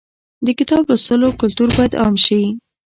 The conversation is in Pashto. د کتاب لوستلو کلتور باید عام شي.